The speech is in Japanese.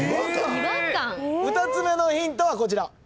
２つ目のヒントはこちら。